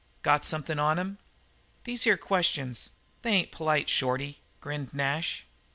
"Got something on him?" "These here questions, they ain't polite, Shorty," grinned Nash.